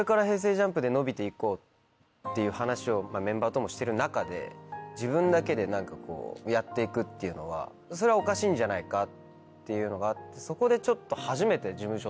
ＪＵＭＰで伸びて行こうっていう話をメンバーともしてる中で自分だけで何かこうやって行くっていうのはそれはおかしいんじゃないかっていうのがあってそこでちょっと。